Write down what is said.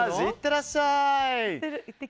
行ってらっしゃい！